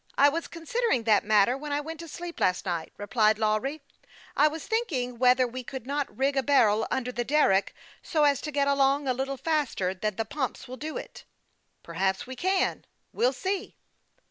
I was considering that matter when I went to sleep last night," replied Lawry. " I was thinking whether we could not rig a barrel under a derrick, so as to get along a little faster than the pumps will do it." " Perhaps we can ; we will see."